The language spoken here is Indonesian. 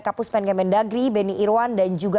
kapuspen kemendagri beni irwan dan juga